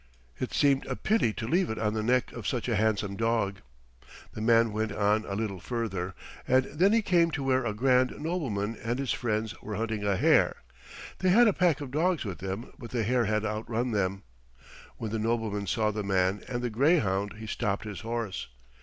It seemed a pity to leave it on the neck of such a handsome dog. The man went on a little further and then he came to where a grand nobleman and his friends were hunting a hare. They had a pack of dogs with them but the hare had outrun them. When the nobleman saw the man and the greyhound he stopped his horse.